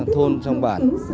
thôn trong bản